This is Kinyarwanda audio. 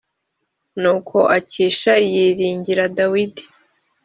nuko akishi yiringira dawidi .